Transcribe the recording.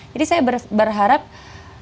jadi saya berharap perkembangan